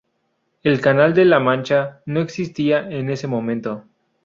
El canal de la Mancha no existía en ese momento.